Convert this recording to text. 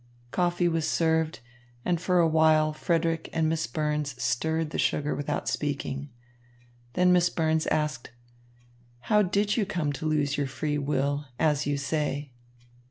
Coffee was served, and for a while Frederick and Miss Burns stirred the sugar without speaking. Then Miss Burns asked: "How did you come to lose your free will, as you say?"